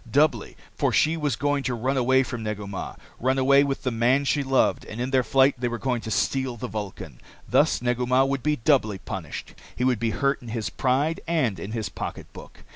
Doubly. For she was going to run away from Negu Mah, run away with the man she loved, and in their flight they were going to steal the Vulcan. Thus Negu Mah would be doubly punished. He would be hurt in his pride and in his pocketbook.